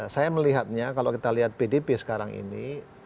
saya melihatnya kalau kita lihat pdp sekarang ini